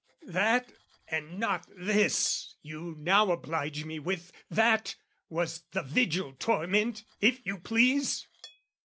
That, and not this you now oblige me with, That was the Vigil torment, if you please!